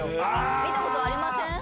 見たことありません？